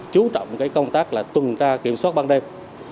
chú trọng công tác là tuần tra kiểm soát ban đêm